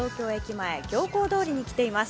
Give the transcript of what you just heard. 前、行幸通りに来ています。